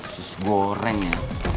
usus goreng ya